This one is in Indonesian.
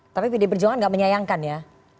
tapi pdi perjuangan nggak menyayangkan ya